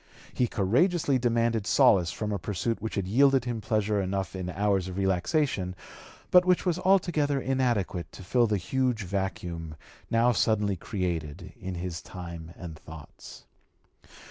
He courageously demanded solace from a pursuit which had yielded him pleasure enough in hours of relaxation, but which was altogether inadequate to fill the huge vacuum now suddenly created in his time and thoughts.